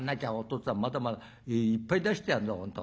っつぁんまだまだいっぱい出してやるぞ本当。